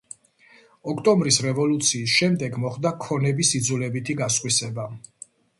ოქტომბრის რევოლუციის შემდეგ მოხდა ქონების იძულებითი გასხვისება.